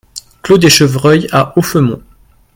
Clos des Chevreuils à Offemont